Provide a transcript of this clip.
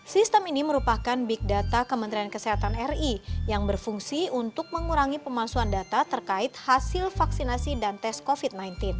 sistem ini merupakan big data kementerian kesehatan ri yang berfungsi untuk mengurangi pemalsuan data terkait hasil vaksinasi dan tes covid sembilan belas